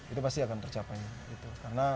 itu pasti akan tercapai